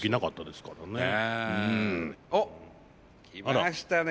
来ましたね。